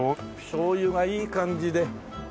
しょうゆがいい感じで。